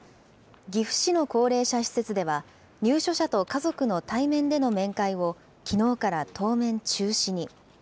岐阜市の高齢者施設では、入所者と家族の対面での面会をきのうから当面中止に。